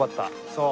そう。